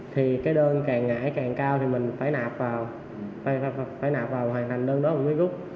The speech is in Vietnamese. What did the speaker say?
thì cái đơn càng ngãi càng cao thì mình phải nạp vào phải nạp vào hoàn thành đơn đó một cái gúc